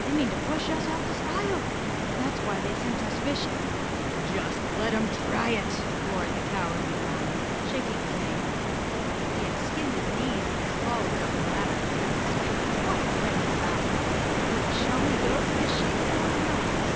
They mean to push us off the skyle. That's why they sent us fishing." "Just let 'em try it!" roared the Cowardly Lion, shaking his mane. He had skinned his knees in his fall down the ladder and was feeling quite ready for a battle. "But shall we go fishing or not?"